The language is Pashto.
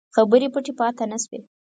خبرې پټې پاته نه شوې.